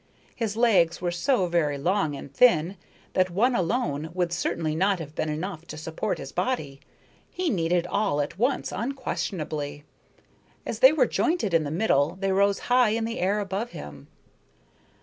His legs were so very long and thin that one alone would certainly not have been enough to support his body. He needed all at once, unquestionably. As they were jointed in the middle, they rose high in the air above him.